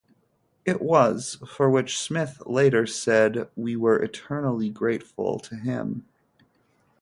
It was, for which Smith later said ...we were eternally grateful to him!